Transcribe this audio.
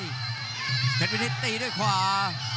เพชรวินิตตีด้วยขวา